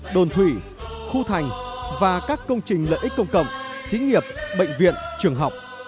đồn thủy khu thành và các công trình lợi ích công cộng xí nghiệp bệnh viện trường học